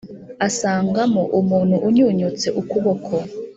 asangamo umuntu unyunyutse ukuboko